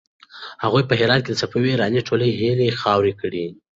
هغوی په هرات کې د صفوي ایران ټولې هيلې خاورې کړې.